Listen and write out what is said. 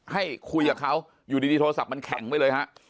ให้คุยกับเขาอยู่ดีโทรศัพท์มันแข็งไปเลยฮะ